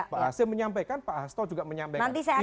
pak asyik menyampaikan pak asto juga menyampaikan